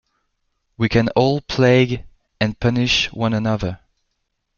We can all plague and punish one another.